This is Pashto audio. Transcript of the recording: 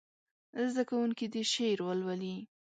زده کوونکي دې شعر ولولي.